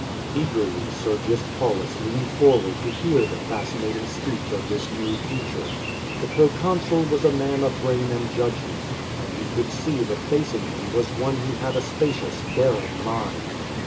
Eagerly Sergius Paulus leaned forward to hear the fascinating speech of this new teacher. The pro consul was a man of brain and judgment; and he could see that facing him was one who had a spacious daring mind.